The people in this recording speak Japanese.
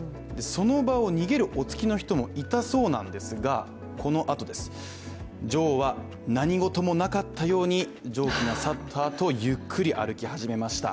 その場を逃げるお付きの人もいたそうなんですが、このあと女王は、何事もなかったように蒸気が去ったあと、ゆっくり歩き始めました。